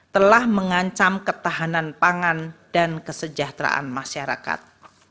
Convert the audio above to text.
telah mengancam ketahanan pangan dan kesejahteraan masyarakat